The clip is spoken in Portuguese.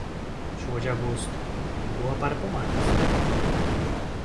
Chuva de agosto, boa para pomares.